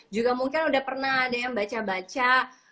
juga mungkin udah pernah ada yang baca baca